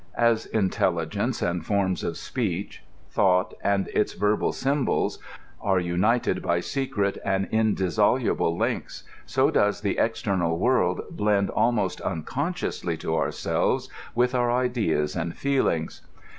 As intelligence dnd forms of speech, thought and its verbal symbols, nxe united by secret and indissoluble links, so does the external world blend almost unconsciously to ourselves with our ideat and feelings.